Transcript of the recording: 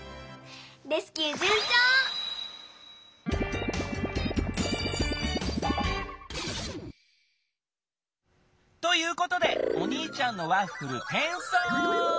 レスキューじゅんちょう！ということでおにいちゃんのワッフルてんそう！